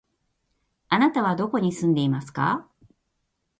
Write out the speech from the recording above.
あなたはどこに住んでいますか？